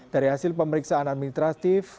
dari hasil pemeriksaan administratif